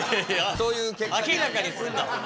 そういう結果になるね。